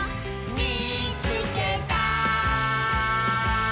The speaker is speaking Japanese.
「みいつけた」